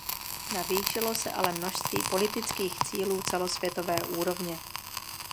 Navýšilo se ale množství politických cílů celosvětové úrovně.